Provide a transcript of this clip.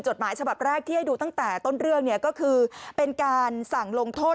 จดหมายฉบับแรกที่ให้ดูตั้งแต่ต้นเรื่องเนี่ยก็คือเป็นการสั่งลงโทษ